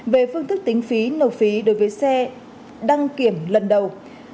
về phương thức tính phí nộp phí đối với xe đăng kiểm lần đầu